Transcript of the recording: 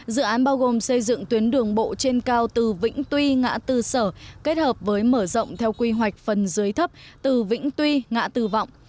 dự án bao gồm xây dựng tuyến đường bộ trên cao từ vĩnh tuy ngã tư sở kết hợp với mở rộng theo quy hoạch phần dưới thấp từ vĩnh tuy ngã tư vọng